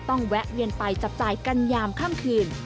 แวะเวียนไปจับจ่ายกันยามค่ำคืน